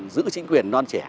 giữ chính quyền non trẻ